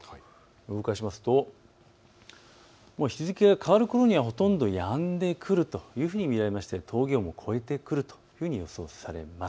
動かしますと引き続き日付が変わるころにはほとんどやんでくると見られまして峠を越えてくるというふうに予想されます。